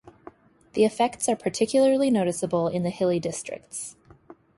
The effects are particularly noticeable in the hilly districts.